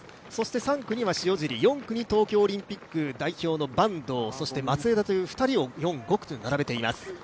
３区には塩尻、４区に東京オリンピック代表の坂東、松枝という２人を４・５区と並べています。